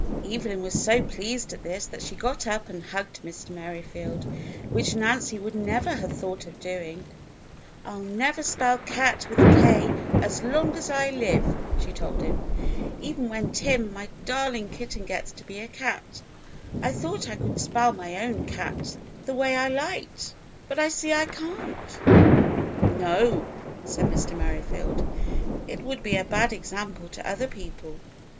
Evelyn was so pleased at this that she got up and hugged Mr. Merrifield, which Nancy would never have thought of doing. "I'll never spell cat with a K, as long as I live," she told him, "even when Tim, my darling kitten, gets to be a cat. I thought I could spell my own cat the way I liked, but I see I can't." "No," said Mr. Merrifield; "it would be a bad example to other people.